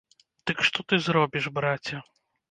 Дык што ты зробіш, браце!